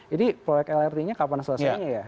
jadi proyek lrt nya kapan selesainya ya